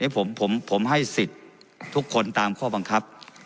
ผมให้สิทธิ์ทุกคนตามข้อบังคับ